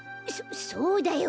そそうだよ。